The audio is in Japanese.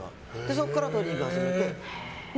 そこからトレーニング始めて。